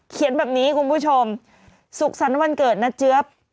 เขียนแบบนี้คุณผู้ชมสุขสรรค์วันเกิดนะเจี๊ยบ